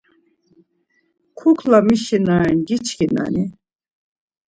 Kukla mişi na ren giçkinani?